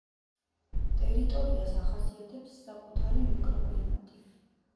ტერიტორიას ახასიათებს საკუთარი მიკროკლიმატი.